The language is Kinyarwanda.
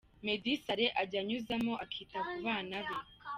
Meddy Saleh ajya anyuzamo akita ku bana be.